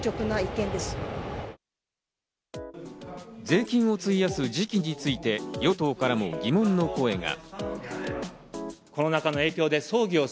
税金を費やす時期について与党からも疑問の声が。